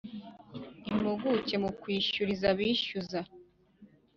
impugucye mu kwishyuriza abishyuza